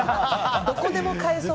どこでも買えそう。